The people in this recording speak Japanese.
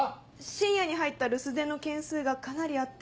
深夜に入った留守電の件数がかなりあって。